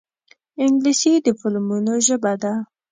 انګلیسي د فلمونو ژبه ده